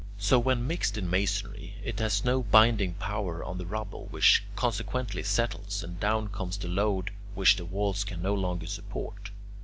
So when mixed in masonry, it has no binding power on the rubble, which consequently settles and down comes the load which the walls can no longer support.